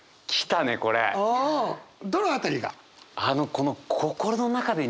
どの辺りが？